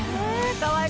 かわいい。